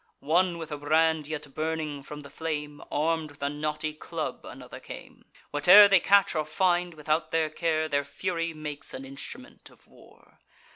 One with a brand yet burning from the flame, Arm'd with a knotty club another came: Whate'er they catch or find, without their care, Their fury makes an instrument of war.